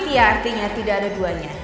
iya artinya tidak ada duanya